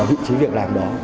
vị trí việc làm đó